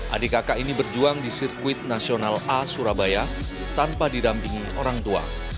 adik kakak ini berjuang di sirkuit nasional a surabaya tanpa didampingi orang tua